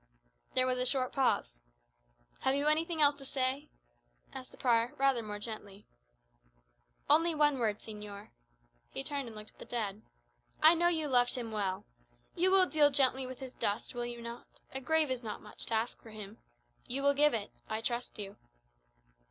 There was a short pause. "Have you anything else to say?" asked the prior rather more gently. "Only one word, señor." He turned and looked at the dead. "I know you loved him well. You will deal gently with his dust, will you not? A grave is not much to ask for him. You will give it; I trust you."